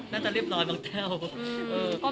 น่าจะรีบร้อยบางเท่า